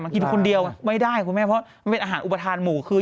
กินคนเดียวไม่ได้คุณแม่เพราะมันเป็นอาหารอุปทานหมู่คือ